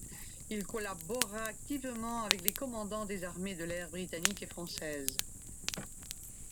Il collabora activement avec les commandants des armées de l'air britanniques et françaises.